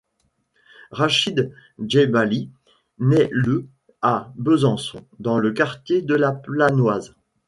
Rachid Djebaili nait le à Besançon dans le quartier de la Planoise.